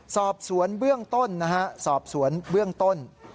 สอบสวนเบื้องต้นนะฮะสอบสวนเบื้องต้น